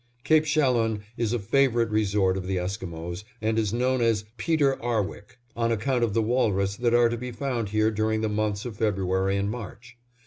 Cape Chalon is a favorite resort of the Esquimos, and is known as Peter ar wick, on account of the walrus that are to be found here during the months of February and March.